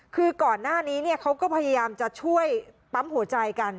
คือก่อนหน้านี้เขาก็พยายามจะช่วยปั๊มหัวใจกัน